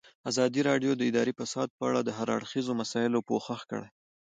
ازادي راډیو د اداري فساد په اړه د هر اړخیزو مسایلو پوښښ کړی.